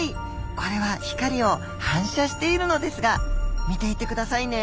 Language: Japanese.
これは光を反射しているのですが見ていてくださいね。